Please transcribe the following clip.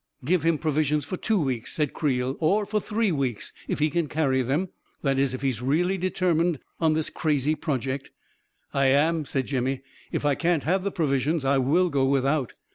Give him provisions for two weeks," said Creel. " Or for three weeks, if he can carry them. That is, if he is really determined on this crazy project." M I am," said Jimmy. " If I can't have the pro visions, I will go without."